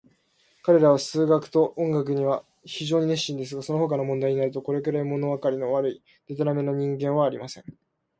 彼等は数学と音楽には非常に熱心ですが、そのほかの問題になると、これくらい、ものわかりの悪い、でたらめな人間はありません。